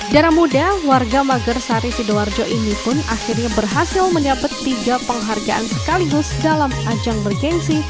darah muda warga magersari sidoarjo ini pun akhirnya berhasil mendapat tiga penghargaan sekaligus dalam ajang bergensi